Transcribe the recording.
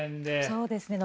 そうですね。